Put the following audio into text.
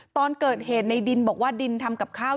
ตอนเกิดเหตุในดินบอกว่าดินทำกับข้าว